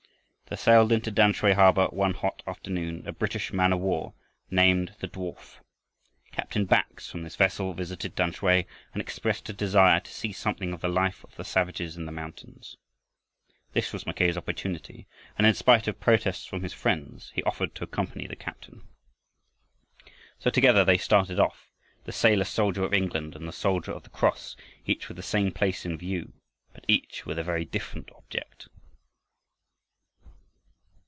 There sailed into Tamsui harbor, one hot afternoon, a British man of war, named The Dwarf. Captain Bax from this vessel visited Tamsui, and expressed a desire to see something of the life of the savages in the mountains. This was Mackay's opportunity, and in spite of protests from his friends he offered to accompany the captain. So together they started off, the sailor soldier of England and the soldier of the cross, each with the same place in view but each with a very different object.